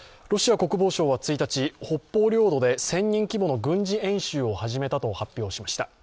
ロシア国防省は１日、北方領土で１０００人規模の軍事演習を始めたと発表しました。